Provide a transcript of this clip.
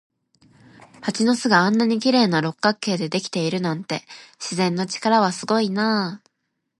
蜂の巣があんなに綺麗な六角形でできているなんて、自然の力はすごいなあ。